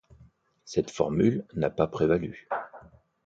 Cette formule n'a pas prévalu.